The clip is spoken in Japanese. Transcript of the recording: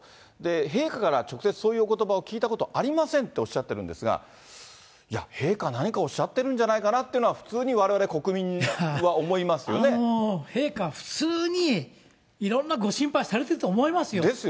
陛下から直接そういうおことばを聞いたことありませんとおっしゃってるんですが、いや、陛下何かおっしゃってるんじゃないかなって、普通にわれわれ、国陛下、普通にいろんなご心配されていると思いますよ。